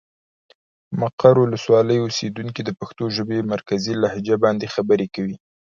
د مقر ولسوالي اوسېدونکي د پښتو ژبې مرکزي لهجه باندې خبرې کوي.